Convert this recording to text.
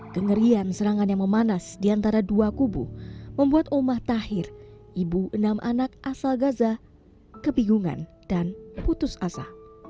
kengerian serangan yang memanas di antara dua kubu membuat omah tahir ibu enam anak asal gaza kebingungan dan putus asa